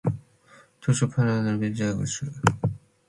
tosho paëmbocquid bëaccosh